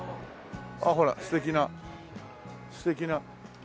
あっほら素敵な素敵な。